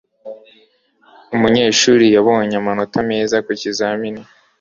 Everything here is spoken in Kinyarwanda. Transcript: umunyeshuri yabonye amanota meza ku kizamini